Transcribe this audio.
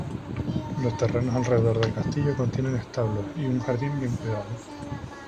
Los terrenos alrededor del castillo contienen establos y un jardín bien cuidado.